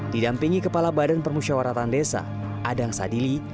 didampingi kepala badan permusyawaratan desa adang sadili